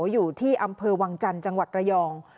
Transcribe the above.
อยู่ที่อำเภอวังจันทร์จังหวัดระยอง